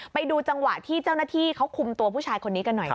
ไปดูจังหวะที่เจ้าหน้าที่เขาคุมตัวผู้ชายคนนี้กันหน่อยค่ะ